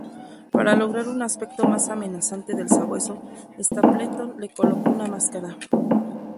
Para lograr un aspecto más amenazante del sabueso, Stapleton le colocó una máscara.